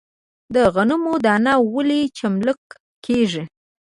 د غنمو دانه ولې چملک کیږي؟